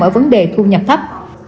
ở vấn đề thu nhập thấp